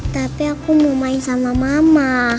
katanya aku mau main sama mama